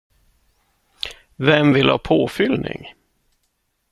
Vem vill ha påfyllning?